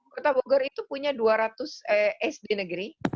kota bogor itu punya dua ratus sd negeri